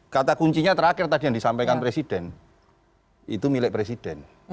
kata kuncinya terakhir tadi yang disampaikan presiden itu milik presiden